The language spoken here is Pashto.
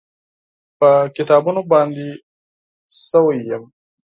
په کتابونو باندې سوی یمه